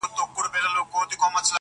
اوس چي هر مُلا ته وایم خپل خوبونه -